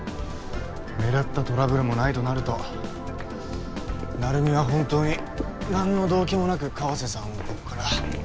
目立ったトラブルもないとなると成海は本当に何の動機もなく川瀬さんをここから。